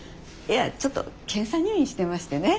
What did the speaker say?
いやちょっと検査入院してましてね。